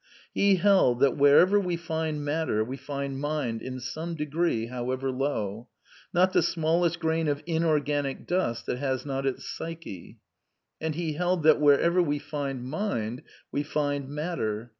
He held that wherever we find matter we find mind in some degree, however low. Not the smallest grain of in \j»ffimo dust that has not its psyche. And he held that "^ wherever we find mind we find matter.